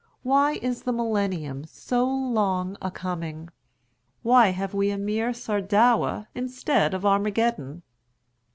why is the Millennium so long a coming? why have we a mere Sardowa instead of Armageddon?